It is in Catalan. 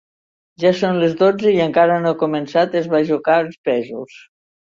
Ja són les dotze i encara no he començat a esbajocar els pèsols.